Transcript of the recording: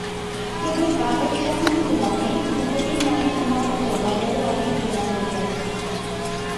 কেবল কাগজ সম্বন্ধে নহে, ভূপতির নামে উমাপদ বাজারে অনেক দেনা করিয়াছে।